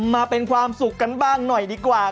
มาเป็นความสุขกันบ้างหน่อยดีกว่า